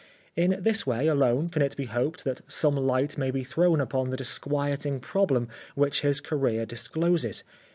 In this way alone can it be hoped that some light may be thrown upon the disquieting problem which his career discloses.